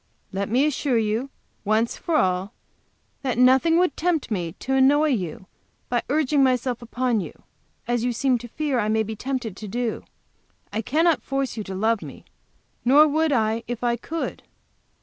Let me assure you, once for all, that nothing would tempt me to annoy you by urging myself upon you, as you seem to fear I may be tempted to do. I cannot force you to love me, nor would I if I could.